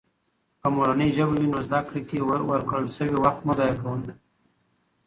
که مورنۍ ژبه وي، نو زده کړې کې ورکړل شوي وخت مه ضایع کېږي.